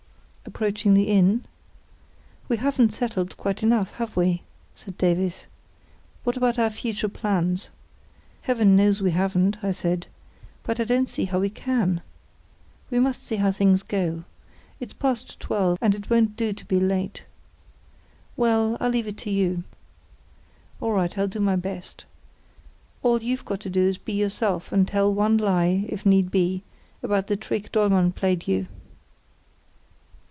_ Approaching the inn: "We haven't settled quite enough, have we?" said Davies. "What about our future plans?" "Heaven knows, we haven't," I said. "But I don't see how we can. We must see how things go. It's past twelve, and it won't do to be late." "Well, I leave it to you." "All right, I'll do my best. All you've got to do is to be yourself and tell one lie, if need be, about the trick Dollmann played you."